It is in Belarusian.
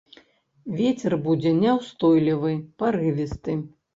Вецер будзе няўстойлівы, парывісты.